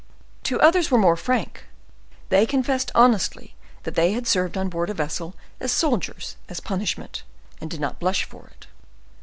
Two others were more frank: they confessed honestly that they had served on board a vessel as soldiers as punishment, and did not blush for it.